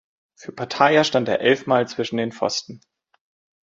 Für Pattaya stand er elfmal zwischen den Pfosten.